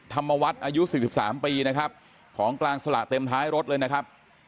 ธรรมวัฒน์อายุ๔๓ปีนะครับของกลางสละเต็มท้ายรถเลยนะครับ